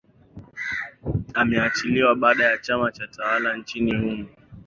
ameachiliwa baada ya chama tawala nchini humo